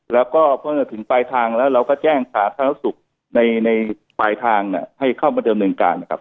แล้วก็เมื่อถึงปลายทางแล้วเราก็แจ้งสาธารณสุขในปลายทางให้เข้ามาเดิมเนินการนะครับ